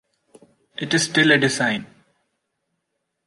It is still a design.